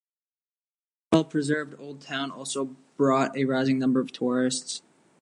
The well-preserved old town also brought a rising number of tourists.